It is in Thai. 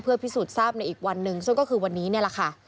เพื่อพิสูจน์ทราบในอีกวันนึงซึ่งก็คือวันนี้แหละค่ะ